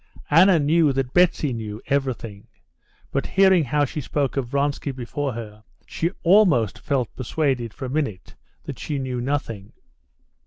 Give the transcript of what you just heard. Anna knew that Betsy knew everything, but, hearing how she spoke of Vronsky before her, she almost felt persuaded for a minute that she knew nothing.